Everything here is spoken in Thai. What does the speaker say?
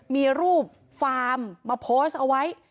มีรูปฟาร์มมาโพสต์เอาไว้